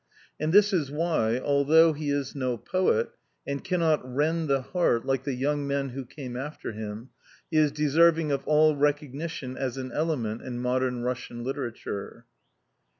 And this is why, although he is no poet, and cannot rend the heart like the young men who came after him, he is deserving of all recognition as an element in modern Russian literature.